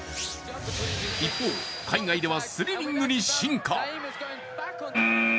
一方、海外ではスリリングに進化。